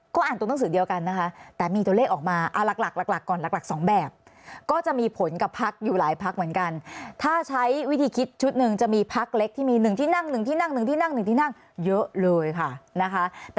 ก็อ่านตัวหนังสือเดียวกันนะคะแต่มีตัวเลขออกมาเอาหลักก่อนหลักสองแบบก็จะมีผลกับพักอยู่หลายพักเหมือนกันถ้าใช้วิธีคิดชุดหนึ่งจะมีพักเล็กที่มี๑ที่นั่งหนึ่งที่นั่งหนึ่งที่นั่งหนึ่งที่นั่งเยอะเลยค่ะนะคะ